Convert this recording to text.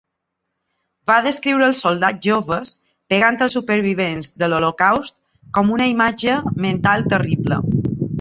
Va descriure els soldats joves pegant els supervivents de l'holocaust com una "imatge mental terrible".